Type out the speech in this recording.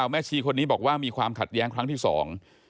แม่ชีคนนี้บอกว่ามีความขัดแย้งครั้งที่สอง